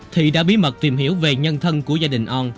thị đã bí mật tìm hiểu về nhân thân của gia đình on